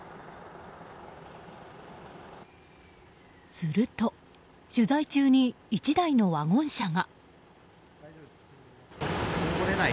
すると、取材中に１台のワゴン車が。